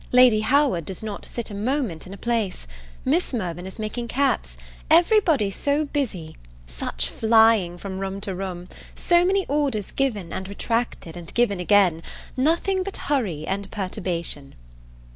Lady Howard does not sit a moment in a place; Miss Mirvan is making caps; every body so busy! such flying from room to room! so many orders given, and retracted, and given again! nothing but hurry and perturbation.